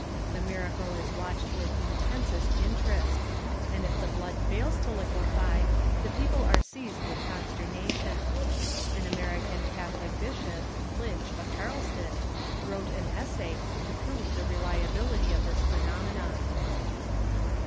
Tlie miracle is watched with intensest interest, and if the blood fails to liquefy, the people are seized with consternation. An American Catholic bishop (Lynch, of Charleston) wrote an essay to prove the re ality of this phenomenon.